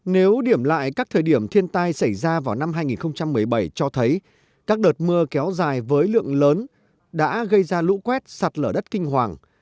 nếu điểm lại các thời điểm thiên tai xảy ra vào năm hai nghìn một mươi bảy cho thấy các đợt mưa kéo dài với lượng lớn đã gây ra lũ quét sạt lở đất kinh hoàng